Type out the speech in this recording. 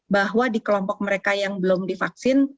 bahwa di kelompok mereka yang belum divaksin